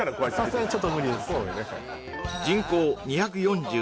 さすがにちょっと無理です